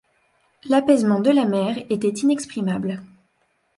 L’apaisement de la mer était inexprimable.